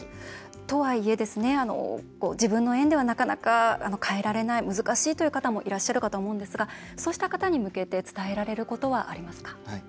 とはいえ、自分の園ではなかなか変えられない難しいという方もいるかと思いますがそうした方に向けて伝えられることはありますか？